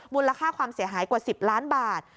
มูลค่าความเสียหายกว่า๑๐ล้านบาท